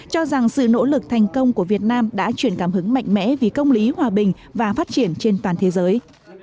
cho rằng sự nỗ lực thành công của việt nam đã chuyển cảm hứng mạnh mẽ vì công lý hòa bình và phát triển trên toàn thế giới